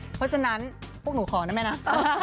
เพราะฉะนั้นพวกหนูขอนะแม่นะ